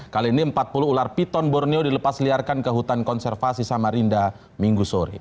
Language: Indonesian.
kali ini empat puluh ular piton borneo dilepas liarkan ke hutan konservasi samarinda minggu sore